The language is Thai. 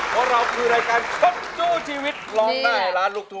เพราะเราก็คือรายการชดชู้ชีวิตรองหน้าหลานลูกทู